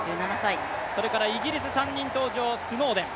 イギリス３人登場、スノーデン。